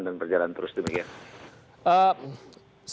dan berjalan terus demikian